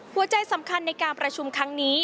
หัวใจสำคัญในการประชุมครั้งนี้